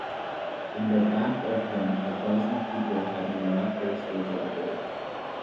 In back of them a dozen people had miraculously gathered.